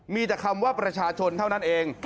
มีแต่คำว่าประชาชนเท่านั้นเอง